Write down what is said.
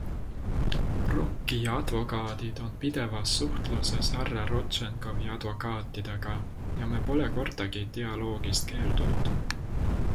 ROKi advokaadid on pidevas suhtluses härra Rodtšenkovi advokaatidega ja me pole kordagi dialoogist keeldunud.